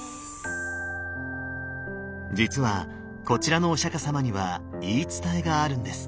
実はこちらのお釈様には言い伝えがあるんです。